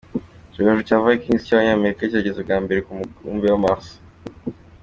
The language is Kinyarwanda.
Icyogajuru cya Vikings cy’abanyamerika cyageze bwa mbere ku mubumbe wa Mars.